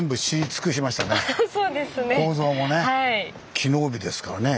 機能美ですからね。